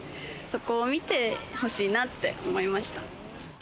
そこを見てほしいなって思いました。